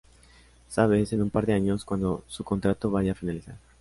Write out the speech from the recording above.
Sabes, en un par de años, cuando su contrato vaya a finalizar.